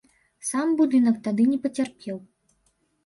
Сам будынак тады не пацярпеў.